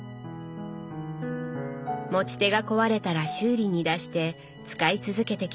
持ち手が壊れたら修理に出して使い続けてきました。